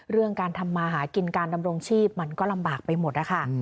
เรื่องการทำมาหากินการดำรงชีพมันก็ลำบากไปหมดนะคะ